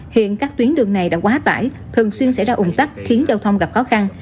hiện các tuyến đường này đã quá tải thường xuyên xảy ra ủng tắc khiến giao thông gặp khó khăn